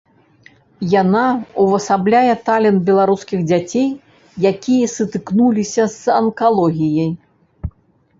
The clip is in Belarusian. Яна ўвасабляе талент беларускіх дзяцей, якія сутыкнуліся з анкалогіяй.